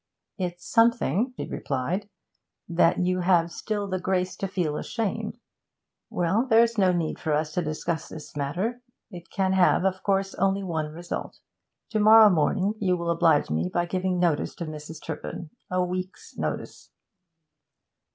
'It's something,' she replied, 'that you have still the grace to feel ashamed. Well, there's no need for us to discuss this matter; it can have, of course, only one result. To morrow morning you will oblige me by giving notice to Mrs. Turpin a week's notice.'